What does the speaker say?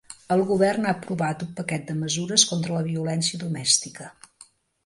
El govern ha aprovat un paquet de mesures contra la violència domèstica.